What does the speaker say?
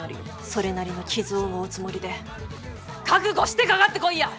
それなりの傷を負うつもりで覚悟してかかってこいや！